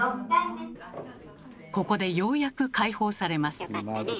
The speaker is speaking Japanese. ここでようやく解放されます。